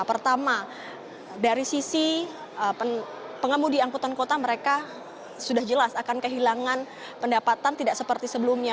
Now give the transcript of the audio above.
pertama dari sisi pengemudi angkutan kota mereka sudah jelas akan kehilangan pendapatan tidak seperti sebelumnya